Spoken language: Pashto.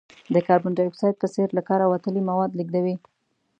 د کاربن ډای اکساید په څېر له کاره وتلي مواد لیږدوي.